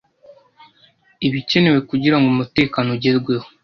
ibikenewe kugira ngo umutekano ugerweho